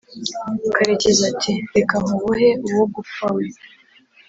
karekezi ati: "Reka nkubohe wo gapfa we!"